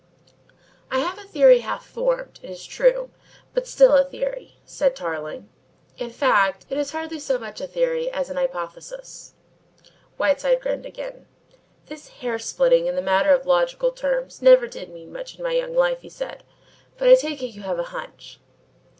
"I have a theory, half formed, it is true, but still a theory," said Tarling. "In fact, it's hardly so much a theory as an hypothesis." Whiteside grinned again. "This hair splitting in the matter of logical terms never did mean much in my young life," he said, "but I take it you have a hunch."